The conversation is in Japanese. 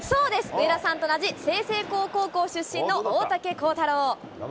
上田さんと同じ、済々黌高校出身の大竹耕太郎。